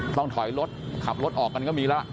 ต้องถอยรถขับรถออกกันก็มีแล้ว